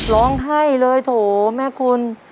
ร้องไห้เลยโถแม่คุณ